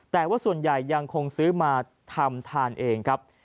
แต่ว่าส่วนใหญ่ยังคงซื้อมาทำทานเองครับ